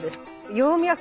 葉脈？